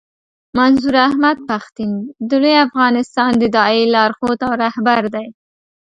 منظور احمد پښتين د لوی افغانستان د داعیې لارښود او رهبر دی.